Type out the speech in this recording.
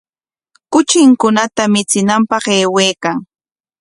Kuchinkunata michinanpaq aywaykan.